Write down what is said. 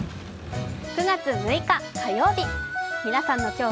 ９月６日、火曜日。